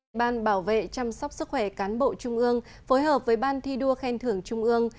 ủy ban bảo vệ chăm sóc sức khỏe cán bộ trung ương phối hợp với ban thi đua khen thưởng trung ương